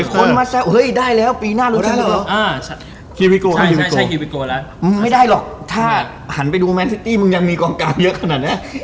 คนมาแซะเฮ้ยได้แล้วปีหน้ารู้แล้วเหรอไม่ได้หรอกถ้าหันไปดูแมนซิตี้มึงยังมีกองกลางเยอะขนาดนี้